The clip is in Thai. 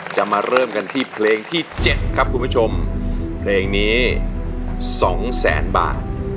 จะมาเริ่มกันที่เพลงที่๗ครับคุณผู้ชมเพลงนี้๒แสนบาท